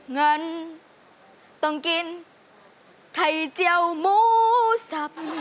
เงินต้องกินไข่เจียวหมูสับ